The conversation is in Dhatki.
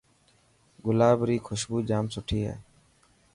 گلاب ري خوشبو ڄام سٺي هي.